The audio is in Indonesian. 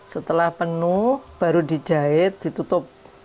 setelah penuh baru dijahit ditutup